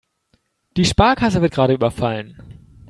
Die Sparkasse wird gerade überfallen.